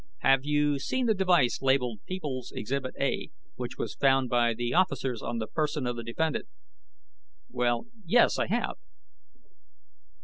"Have you seen the device labeled People's Exhibit A, which was found by the officers on the person of the defendant?" "Well ... yes. I have."